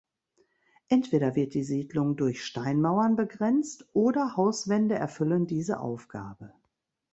Entweder wird die Siedlung durch Steinmauern begrenzt, oder Hauswände erfüllen diese Aufgabe.